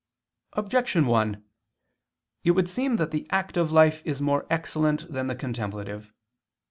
Objection 1: It would seem that the active life is more excellent than the contemplative.